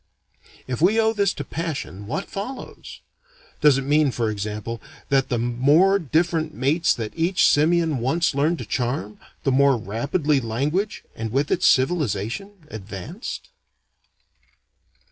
If we owe this to passion, what follows? Does it mean, for example, that the more different mates that each simian once learned to charm, the more rapidly language, and with it civilization, advanced?